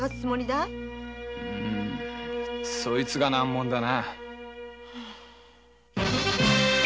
そいつが難問だな。